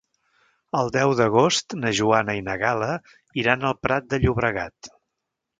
El deu d'agost na Joana i na Gal·la iran al Prat de Llobregat.